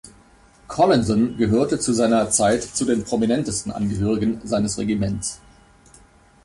Collinson gehörte zu seiner Zeit zu den prominentesten Angehörigen seines Regiments.